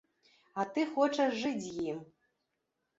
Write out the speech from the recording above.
А ты хочаш жыць з ім!